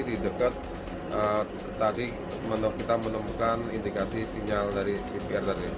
di dekat tadi kita menemukan indikasi sinyal dari cvr tadi